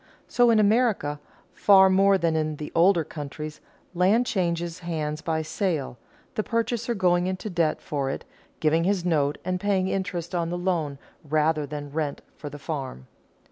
So in America, far more than in the older countries, land changes hands by sale, the purchaser going into debt for it, giving his note and paying interest on the loan rather than rent for the farm.